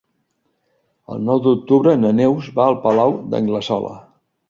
El nou d'octubre na Neus va al Palau d'Anglesola.